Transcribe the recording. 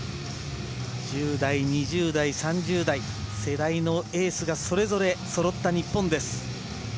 １０代、２０代、３０代世代のエースがそれぞれそろった日本です。